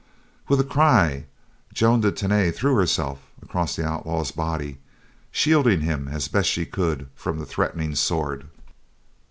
With a cry, Joan de Tany threw herself across the outlaw's body, shielding him as best she could from the threatening sword.